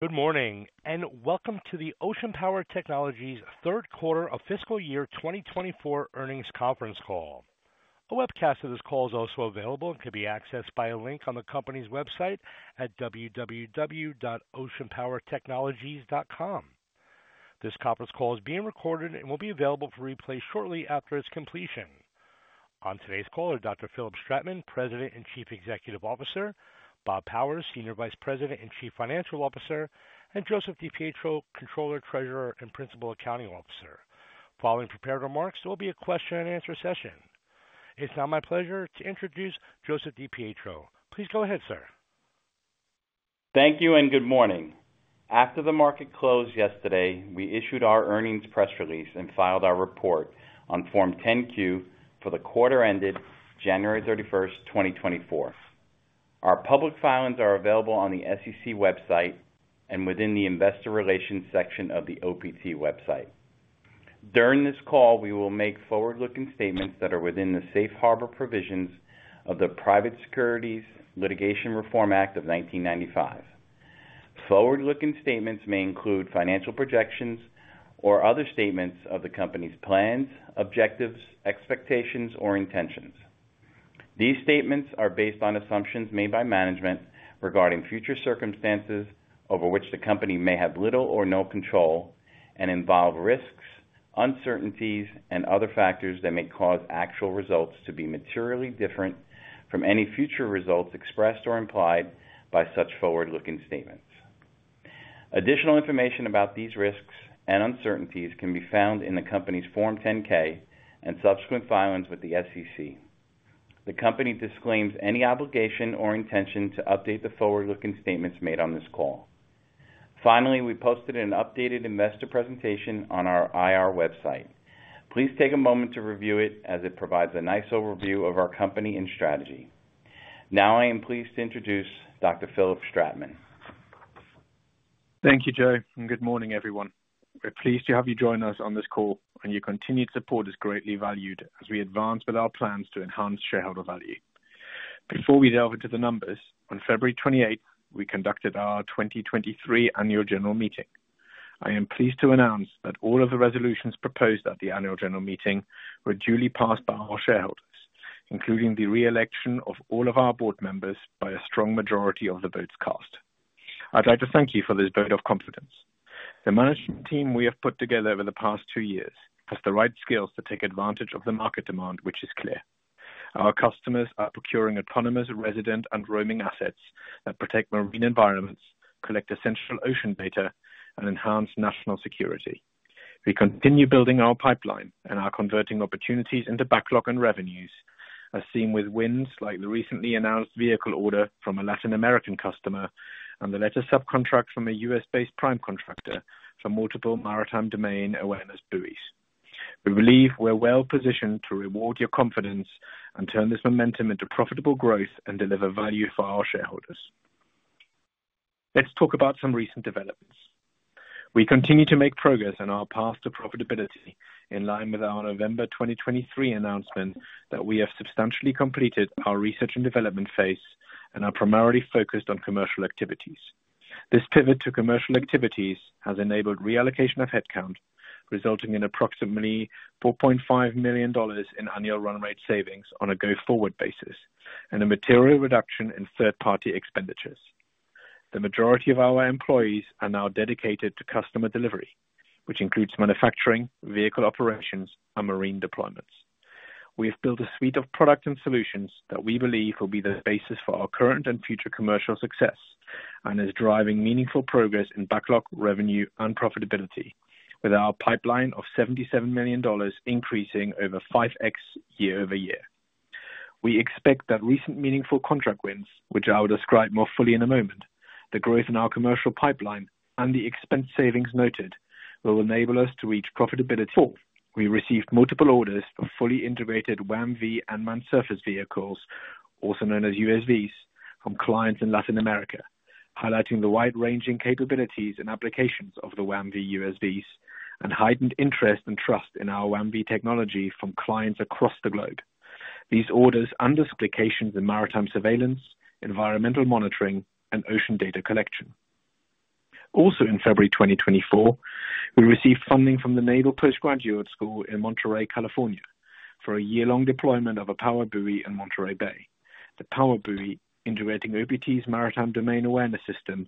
Good morning and welcome to the Ocean Power Technologies Q3 of Fiscal Year 2024 Earnings Conference Call. A webcast of this call is also available and can be accessed by a link on the company's website at www.oceanpowertechnologies.com. This conference call is being recorded and will be available for replay shortly after its completion. On today's call are Dr. Philipp Stratmann, President and Chief Executive Officer, Bob Powers, Senior Vice President and Chief Financial Officer, and Joseph DiPietro, Controller, Treasurer, and Principal Accounting Officer. Following prepared remarks, there will be a question-and-answer session. It's now my pleasure to introduce Joseph DiPietro. Please go ahead, sir. Thank you and good morning. After the market closed yesterday, we issued our earnings press release and filed our report on Form 10-Q for the quarter ended January 31st, 2024. Our public filings are available on the SEC website and within the Investor Relations section of the OPT website. During this call, we will make forward-looking statements that are within the safe harbor provisions of the Private Securities Litigation Reform Act of 1995. Forward-looking statements may include financial projections or other statements of the company's plans, objectives, expectations, or intentions. These statements are based on assumptions made by management regarding future circumstances over which the company may have little or no control and involve risks, uncertainties, and other factors that may cause actual results to be materially different from any future results expressed or implied by such forward-looking statements. Additional information about these risks and uncertainties can be found in the company's Form 10-K and subsequent filings with the SEC. The company disclaims any obligation or intention to update the forward-looking statements made on this call. Finally, we posted an updated investor presentation on our IR website. Please take a moment to review it as it provides a nice overview of our company and strategy. Now I am pleased to introduce Dr. Philipp Stratmann. Thank you, Joe, and good morning, everyone. We're pleased to have you join us on this call, and your continued support is greatly valued as we advance with our plans to enhance shareholder value. Before we delve into the numbers, on February 28th, we conducted our 2023 annual general meeting. I am pleased to announce that all of the resolutions proposed at the annual general meeting were duly passed by all shareholders, including the re-election of all of our board members by a strong majority of the votes cast. I'd like to thank you for this vote of confidence. The management team we have put together over the past two years has the right skills to take advantage of the market demand, which is clear. Our customers are procuring autonomous resident and roaming assets that protect marine environments, collect essential ocean data, and enhance national security. We continue building our pipeline and are converting opportunities into backlog and revenues, as seen with wins like the recently announced vehicle order from a Latin American customer and the letter contract from a U.S.-based prime contractor for multiple Maritime Domain Awareness buoys. We believe we're well positioned to reward your confidence and turn this momentum into profitable growth and deliver value for our shareholders. Let's talk about some recent developments. We continue to make progress in our path to profitability in line with our November 2023 announcement that we have substantially completed our research and development phase and are primarily focused on commercial activities. This pivot to commercial activities has enabled reallocation of headcount, resulting in approximately $4.5 million in annual run rate savings on a go-forward basis and a material reduction in third-party expenditures. The majority of our employees are now dedicated to customer delivery, which includes manufacturing, vehicle operations, and marine deployments. We have built a suite of products and solutions that we believe will be the basis for our current and future commercial success and is driving meaningful progress in backlog, revenue, and profitability, with our pipeline of $77 million increasing over 5x year-over-year. We expect that recent meaningful contract wins, which I will describe more fully in a moment, the growth in our commercial pipeline, and the expense savings noted will enable us to reach profitability. We received multiple orders for fully integrated WAM-V and manned surface vehicles, also known as USVs, from clients in Latin America, highlighting the wide-ranging capabilities and applications of the WAM-V USVs and heightened interest and trust in our WAM-V technology from clients across the globe. These orders under supplication in maritime surveillance, environmental monitoring, and ocean data collection Also in February 2024, we received funding from the Naval Postgraduate School in Monterey, California, for a year-long deployment of a PowerBuoy in Monterey Bay. The PowerBuoy, integrating OPT's Maritime Domain Awareness system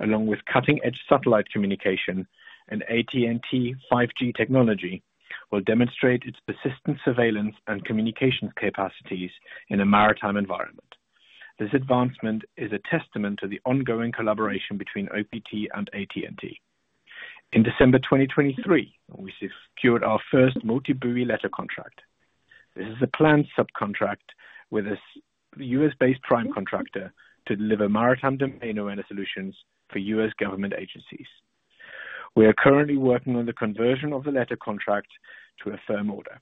along with cutting-edge satellite communication and AT&T 5G technology, will demonstrate its persistent surveillance and communications capacities in a maritime environment. This advancement is a testament to the ongoing collaboration between OPT and AT&T. In December 2023, we secured our first multi-buoy letter contract. This is a planned subcontract with a U.S.-based prime contractor to deliver Maritime Domain Awareness solutions for U.S. government agencies. We are currently working on the conversion of the letter contract to a firm order.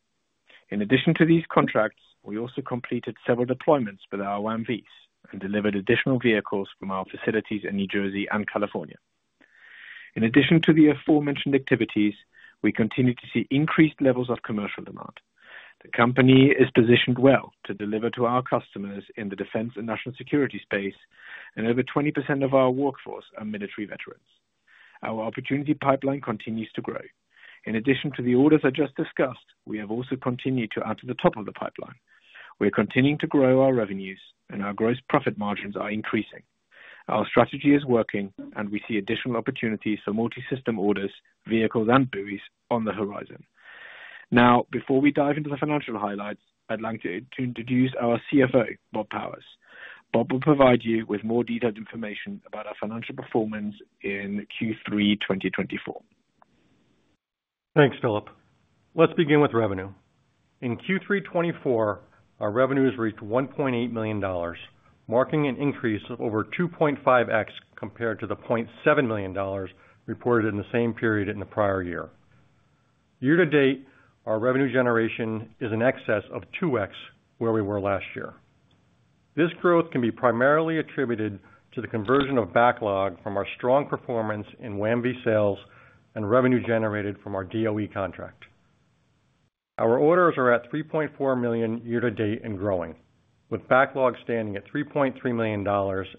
In addition to these contracts, we also completed several deployments with our WAM-Vs and delivered additional vehicles from our facilities in New Jersey and California. In addition to the aforementioned activities, we continue to see increased levels of commercial demand. The company is positioned well to deliver to our customers in the defense and national security space, and over 20% of our workforce are military veterans. Our opportunity pipeline continues to grow. In addition to the orders I just discussed, we have also continued to add to the top of the pipeline. We are continuing to grow our revenues, and our gross profit margins are increasing. Our strategy is working, and we see additional opportunities for multi-system orders, vehicles, and buoys on the horizon. Now, before we dive into the financial highlights, I'd like to introduce our CFO, Bob Powers. Bob will provide you with more detailed information about our financial performance in Q3 2024. Thanks, Philipp. Let's begin with revenue. In Q3 2024, our revenue has reached $1.8 million, marking an increase of over 2.5x compared to the $0.7 million reported in the same period in the prior year. Year to date, our revenue generation is in excess of 2x where we were last year. This growth can be primarily attributed to the conversion of backlog from our strong performance in WAM-V sales and revenue generated from our DOE contract. Our orders are at $3.4 million year to date and growing, with backlog standing at $3.3 million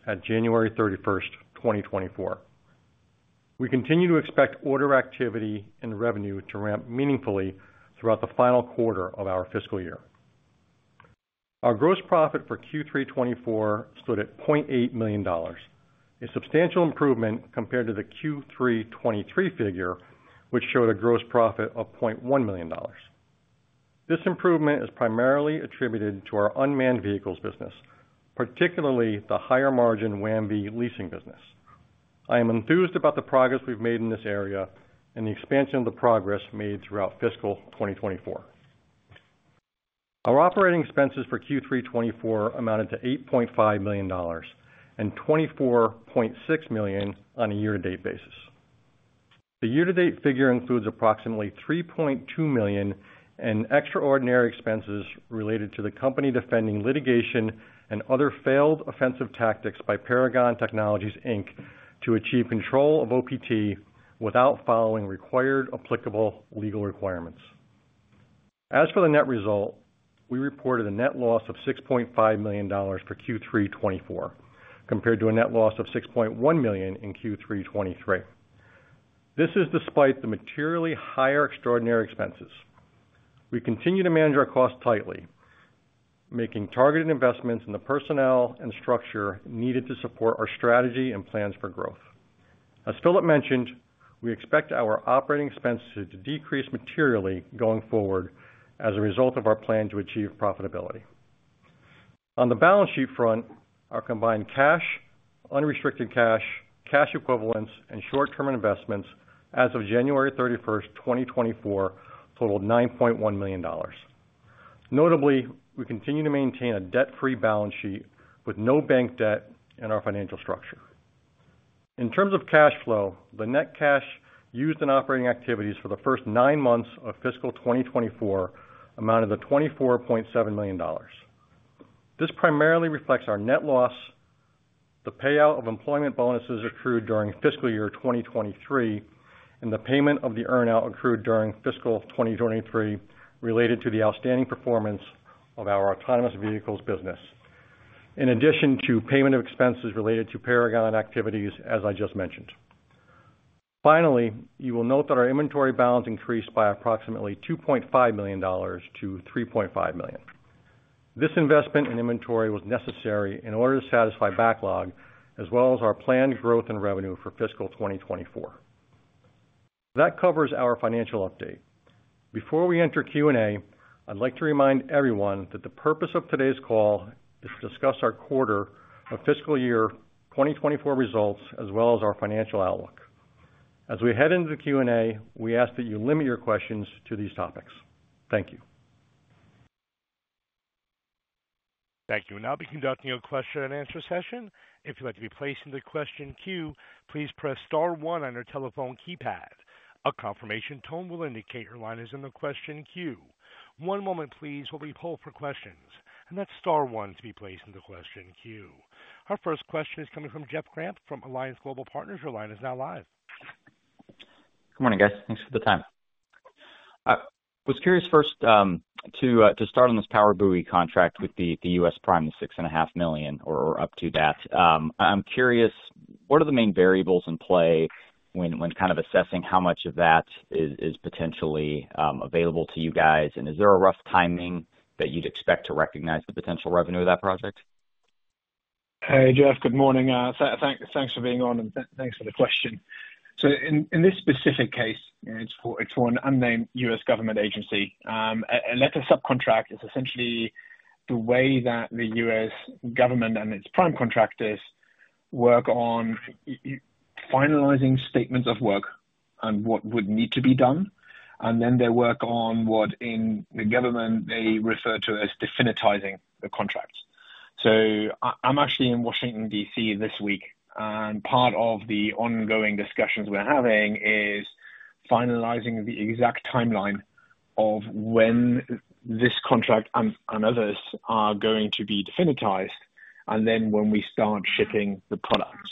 at January 31st, 2024. We continue to expect order activity and revenue to ramp meaningfully throughout the final quarter of our fiscal year. Our gross profit for Q3 2024 stood at $0.8 million, a substantial improvement compared to the Q3 2023 figure, which showed a gross profit of $0.1 million. This improvement is primarily attributed to our unmanned vehicles business, particularly the higher-margin WAM-V leasing business. I am enthused about the progress we've made in this area and the expansion of the progress made throughout fiscal 2024. Our operating expenses for Q3 2024 amounted to $8.5 million and $24.6 million on a year-to-date basis. The year-to-date figure includes approximately $3.2 million in extraordinary expenses related to the company defending litigation and other failed offensive tactics by Paragon Technologies, Inc., to achieve control of OPT without following required applicable legal requirements. As for the net result, we reported a net loss of $6.5 million for Q3 2024 compared to a net loss of $6.1 million in Q3 2023. This is despite the materially higher extraordinary expenses. We continue to manage our costs tightly, making targeted investments in the personnel and structure needed to support our strategy and plans for growth. As Philipp mentioned, we expect our operating expenses to decrease materially going forward as a result of our plan to achieve profitability. On the balance sheet front, our combined cash, unrestricted cash, cash equivalents, and short-term investments as of January 31st, 2024, totaled $9.1 million. Notably, we continue to maintain a debt-free balance sheet with no bank debt in our financial structure. In terms of cash flow, the net cash used in operating activities for the first nine months of fiscal 2024 amounted to $24.7 million. This primarily reflects our net loss. The payout of employment bonuses accrued during fiscal year 2023 and the payment of the earnout accrued during fiscal year 2023 related to the outstanding performance of our autonomous vehicles business, in addition to payment of expenses related to Paragon activities, as I just mentioned. Finally, you will note that our inventory balance increased by approximately $2.5 million to $3.5 million. This investment in inventory was necessary in order to satisfy backlog as well as our planned growth and revenue for fiscal 2024. That covers our financial update. Before we enter Q&A, I'd like to remind everyone that the purpose of today's call is to discuss our quarter of fiscal year 2024 results as well as our financial outlook. As we head into the Q&A, we ask that you limit your questions to these topics. Thank you. Thank you. We'll now be conducting a question-and-answer session. If you'd like to be placed into question queue, please press star one on your telephone keypad. A confirmation tone will indicate your line is in the question queue. One moment, please, while we hold for questions, and that's star one to be placed in the question queue. Our first question is coming from Jeffrey Grampp from Alliance Global Partners. Your line is now live. Good morning, guys. Thanks for the time. I was curious first to start on this PowerBuoy contract with the U.S. prime of $6.5 million or up to that. I'm curious, what are the main variables in play when kind of assessing how much of that is potentially available to you guys? And is there a rough timing that you'd expect to recognize the potential revenue of that project? Hi, Jeff. Good morning. Thanks for being on, and thanks for the question. So in this specific case, it's for an unnamed U.S. government agency. A letter subcontract is essentially the way that the U.S. government and its prime contractors work on finalizing statements of work and what would need to be done, and then they work on what, in the government, they refer to as definitizing the contracts. So I'm actually in Washington, D.C., this week, and part of the ongoing discussions we're having is finalizing the exact timeline of when this contract and others are going to be definitized, and then when we start shipping the products.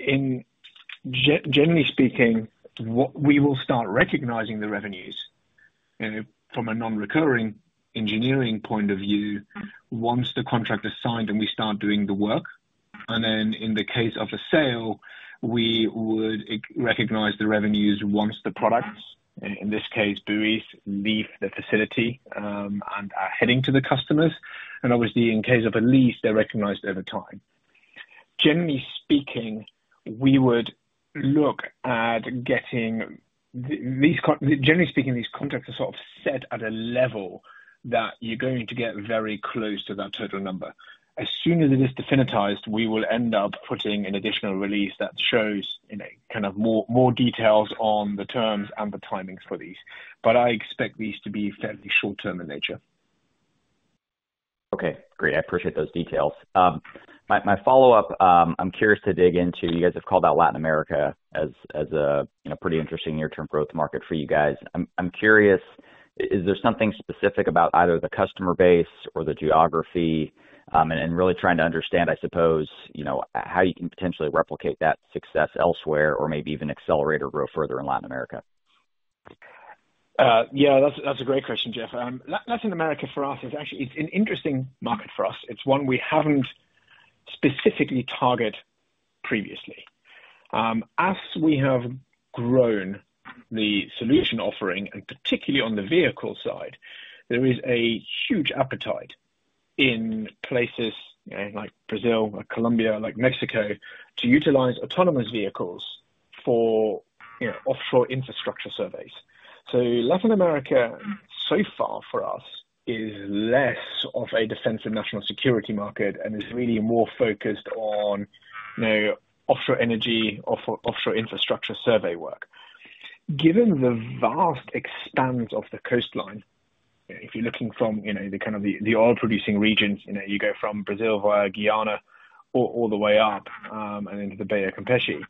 Generally speaking, we will start recognizing the revenues from a non-recurring engineering point of view once the contract is signed and we start doing the work. In the case of a sale, we would recognize the revenues once the products, in this case, buoys, leave the facility and are heading to the customers. Obviously, in case of a lease, they're recognized over time. Generally speaking, we would look at getting. Generally speaking, these contracts are sort of set at a level that you're going to get very close to that total number. As soon as it is definitized, we will end up putting an additional release that shows kind of more details on the terms and the timings for these. But I expect these to be fairly short-term in nature. Okay. Great. I appreciate those details. My follow-up, I'm curious to dig into you guys have called out Latin America as a pretty interesting near-term growth market for you guys. I'm curious, is there something specific about either the customer base or the geography? And really trying to understand, I suppose, how you can potentially replicate that success elsewhere or maybe even accelerate or grow further in Latin America. Yeah, that's a great question, Jeff. Latin America, for us, is actually an interesting market for us. It's one we haven't specifically targeted previously. As we have grown the solution offering, and particularly on the vehicle side, there is a huge appetite in places like Brazil, Colombia, like Mexico to utilize autonomous vehicles for offshore infrastructure surveys. So Latin America, so far for us, is less of a defense and national security market and is really more focused on offshore energy or offshore infrastructure survey work. Given the vast expanse of the coastline, if you're looking from the kind of the oil-producing regions, you go from Brazil via Guyana all the way up and into the Bay of Campeche,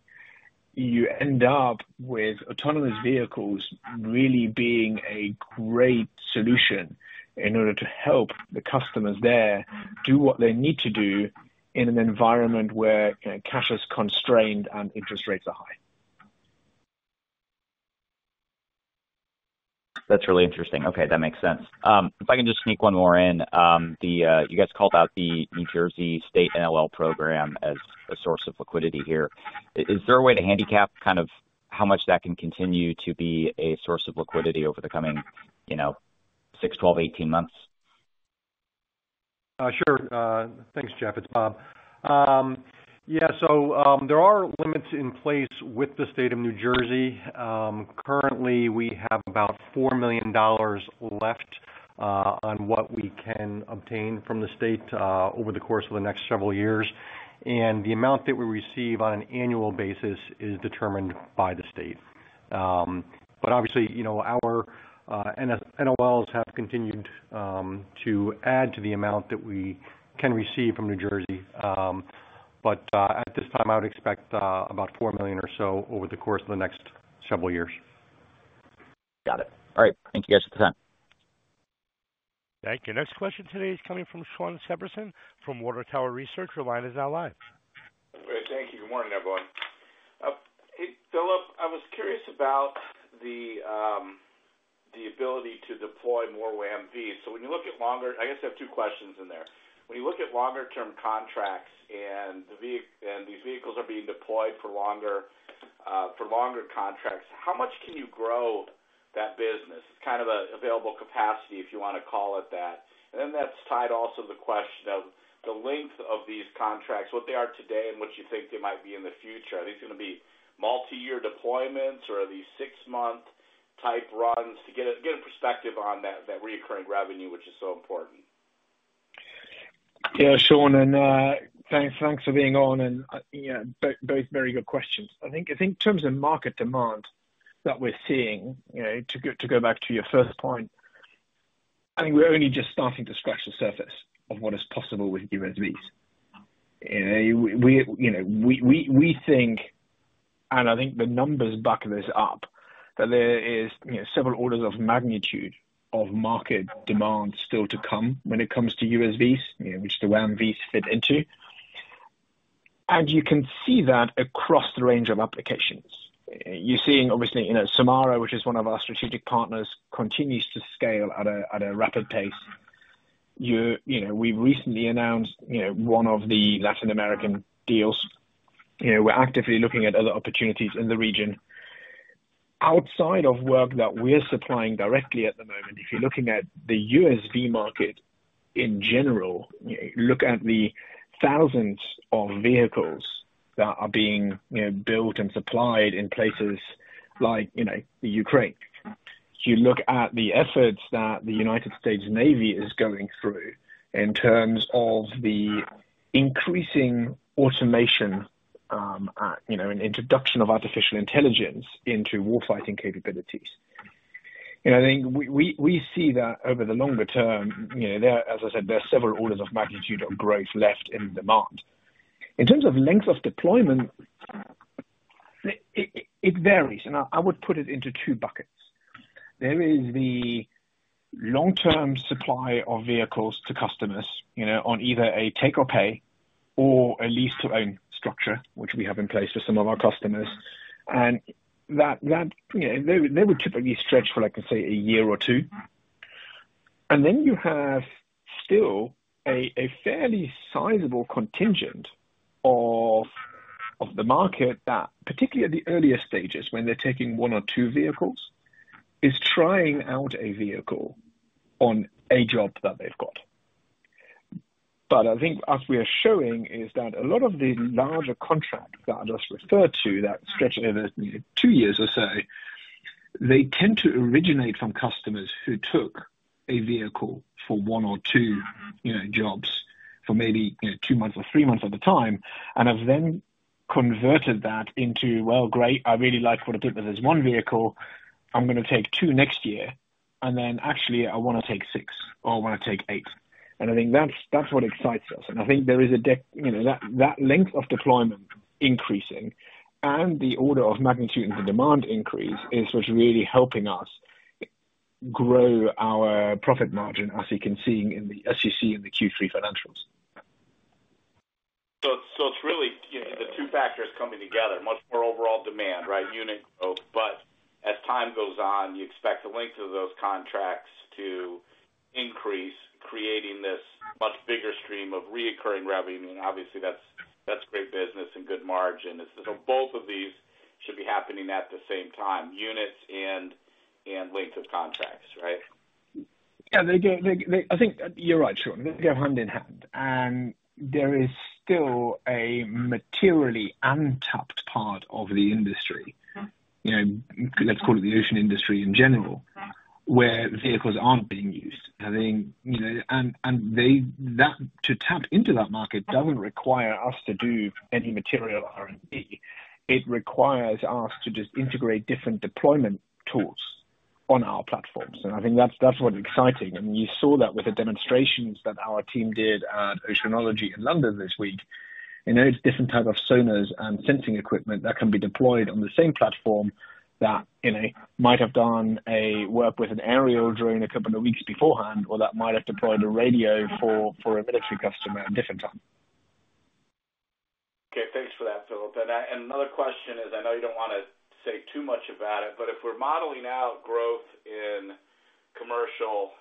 you end up with autonomous vehicles really being a great solution in order to help the customers there do what they need to do in an environment where cash is constrained and interest rates are high. That's really interesting. Okay. That makes sense. If I can just sneak one more in, you guys called out the New Jersey State NOL program as a source of liquidity here. Is there a way to handicap kind of how much that can continue to be a source of liquidity over the coming 6, 12, 18 months? Sure. Thanks, Jeff. It's Bob. Yeah. So there are limits in place with the state of New Jersey. Currently, we have about $4 million left on what we can obtain from the state over the course of the next several years. And the amount that we receive on an annual basis is determined by the state. But obviously, our NOLs have continued to add to the amount that we can receive from New Jersey. But at this time, I would expect about $4 million or so over the course of the next several years. Got it. All right. Thank you guys for the time. Thank you. Next question today is coming from Shawn Severson from Water Tower Research. Your line is now live. Great. Thank you. Good morning, everyone. Philipp, I was curious about the ability to deploy more WAM-Vs. So when you look at longer, I guess I have two questions in there. When you look at longer-term contracts and these vehicles are being deployed for longer contracts, how much can you grow that business? It's kind of available capacity, if you want to call it that. And then that's tied also to the question of the length of these contracts, what they are today, and what you think they might be in the future. Are these going to be multi-year deployments, or are these six-month-type runs? Get a perspective on that recurring revenue, which is so important. Yeah, Shawn, and thanks for being on. Both very good questions. I think in terms of market demand that we're seeing, to go back to your first point, I think we're only just starting to scratch the surface of what is possible with USVs. We think, and I think the numbers buckle this up, that there is several orders of magnitude of market demand still to come when it comes to USVs, which the WAM-Vs fit into. You can see that across the range of applications. You're seeing, obviously, Sulmara, which is one of our strategic partners, continues to scale at a rapid pace. We've recently announced one of the Latin American deals. We're actively looking at other opportunities in the region. Outside of work that we're supplying directly at the moment, if you're looking at the USV market in general, look at the thousands of vehicles that are being built and supplied in places like Ukraine. If you look at the efforts that the United States Navy is going through in terms of the increasing automation and introduction of artificial intelligence into warfighting capabilities, I think we see that over the longer term, as I said, there are several orders of magnitude of growth left in demand. In terms of length of deployment, it varies. I would put it into two buckets. There is the long-term supply of vehicles to customers on either a take-or-pay or a lease-to-own structure, which we have in place for some of our customers. They would typically stretch for, I can say, a year or two. And then you have still a fairly sizable contingent of the market that, particularly at the earliest stages, when they're taking one or two vehicles, is trying out a vehicle on a job that they've got. But I think as we are showing is that a lot of the larger contracts that I just referred to that stretch over two years or so, they tend to originate from customers who took a vehicle for one or two jobs for maybe two months or three months at a time and have then converted that into, "Well, great. I really like what I did with this one vehicle. I'm going to take two next year. And then actually, I want to take six, or I want to take eight." And I think that's what excites us. I think there is that length of deployment increasing and the order of magnitude in the demand increase is what's really helping us grow our profit margin, as you can see in the Q3 financials. So it's really the two factors coming together, much more overall demand, right, unit growth. But as time goes on, you expect the length of those contracts to increase, creating this much bigger stream of recurring revenue. And obviously, that's great business and good margin. So both of these should be happening at the same time, units and length of contracts, right? Yeah. I think you're right, Sean. They go hand in hand. There is still a materially untapped part of the industry, let's call it the ocean industry in general, where vehicles aren't being used. To tap into that market doesn't require us to do any material R&D. It requires us to just integrate different deployment tools on our platforms. I think that's what's exciting. You saw that with the demonstrations that our team did at Oceanology in London this week. It's different type of sonars and sensing equipment that can be deployed on the same platform that might have done a work with an aerial drone a couple of weeks beforehand, or that might have deployed a radio for a military customer at a different time. Okay. Thanks for that, Philipp. Another question is, I know you don't want to say too much about it, but if we're modeling out growth in commercial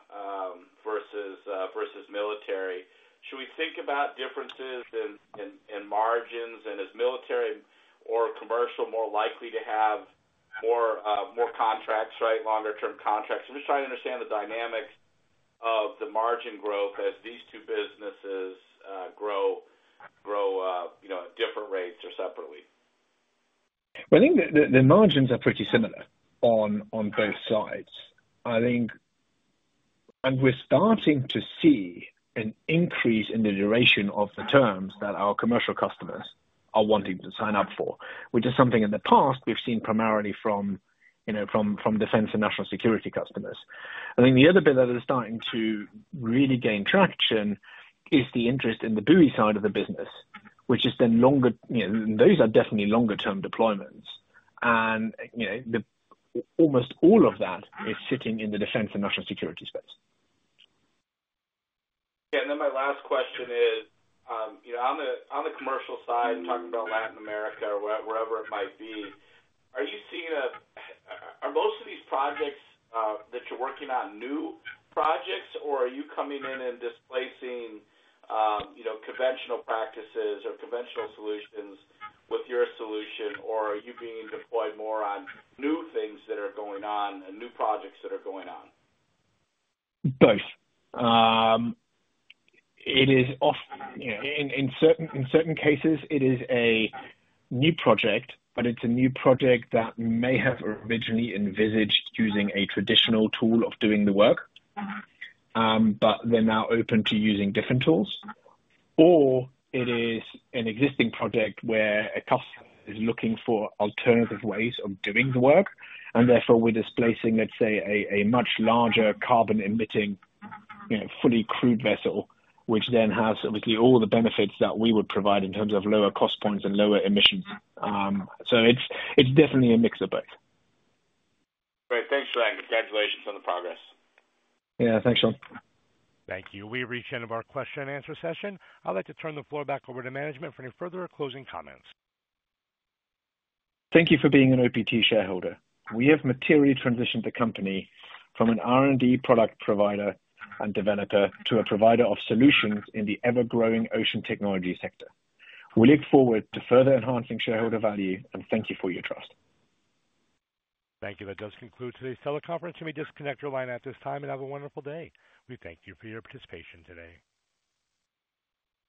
versus military, should we think about differences in margins and is military or commercial more likely to have more contracts, right, longer-term contracts? I'm just trying to understand the dynamics of the margin growth as these two businesses grow at different rates or separately. Well, I think the margins are pretty similar on both sides. And we're starting to see an increase in the duration of the terms that our commercial customers are wanting to sign up for, which is something in the past we've seen primarily from defense and national security customers. I think the other bit that is starting to really gain traction is the interest in the buoy side of the business, which is then longer those are definitely longer-term deployments. And almost all of that is sitting in the defense and national security space. Yeah. And then my last question is, on the commercial side, talking about Latin America or wherever it might be, are you seeing are most of these projects that you're working on new projects, or are you coming in and displacing conventional practices or conventional solutions with your solution, or are you being deployed more on new things that are going on and new projects that are going on? Both. In certain cases, it is a new project, but it's a new project that may have originally envisioned using a traditional tool of doing the work, but they're now open to using different tools. Or it is an existing project where a customer is looking for alternative ways of doing the work. Therefore, we're displacing, let's say, a much larger carbon-emitting fully crewed vessel, which then has obviously all the benefits that we would provide in terms of lower cost points and lower emissions. It's definitely a mix of both. Great. Thanks. Congratulations on the progress. Yeah. Thanks, Shawn. Thank you. We reached the end of our question-and-answer session. I'd like to turn the floor back over to management for any further or closing comments. Thank you for being an OPT shareholder. We have materially transitioned the company from an R&D product provider and developer to a provider of solutions in the ever-growing ocean technology sector. We look forward to further enhancing shareholder value, and thank you for your trust. Thank you. That does conclude today's teleconference. You may disconnect your line at this time and have a wonderful day. We thank you for your participation today.